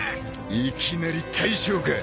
いきなり大将か！